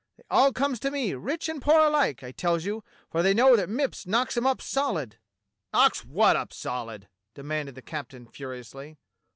They all comes to me, rich and poor alike, I tells you; for they know that Mipps knocks 'em up solid." "Knocks what up solid.^^" demanded the captain furiously.